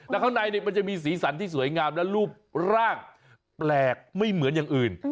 แล้วข้างในมันจะมีสีสันที่สวยงามและรูปร่างแปลกไม่เหมือนอย่างอื่น